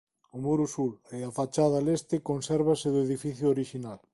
O muro sur e a fachada leste consérvanse do edificio orixinal.